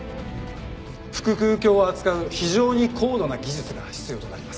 腹腔鏡を扱う非常に高度な技術が必要となります。